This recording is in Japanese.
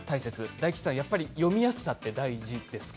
大吉さん、読みやすさって大事ですか？